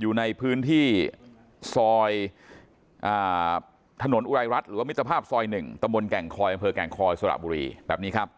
อยู่ในพื้นที่ซอยถนนอุรายรัฐหรือว่ามิตรภาพซอย๑ตำบลแก่งคอยอำเภอแก่งคอยสระบุรีแบบนี้ครับ